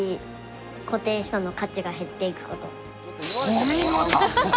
お見事！